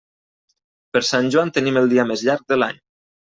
Per Sant Joan tenim el dia més llarg de l'any.